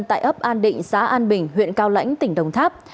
tại ấp an định xã an bình huyện cao lãnh tỉnh đồng tháp